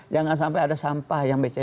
jangan sampai ada sampah yang bc